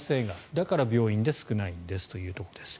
だから、病院で少ないんですというところ。